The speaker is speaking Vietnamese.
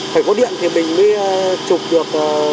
phải có điện thì mình mới chụp được